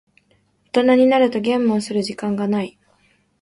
大人になるとゲームをする時間がない。